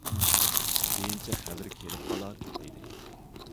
كېيىنچە خەۋىرى كېلىپ قالار،- دېدى.